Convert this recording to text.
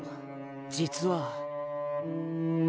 実は。